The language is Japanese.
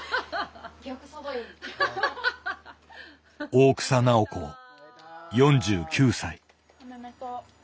大草直子４９歳。